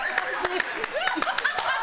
ハハハハ！